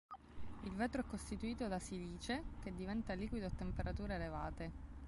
Il vetro è costituito da silice, che diventa liquido a temperature elevate.